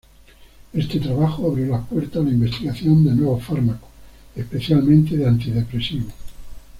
Este trabajo abrió las puertas a la investigación de nuevos fármacos, especialmente de antidepresivos.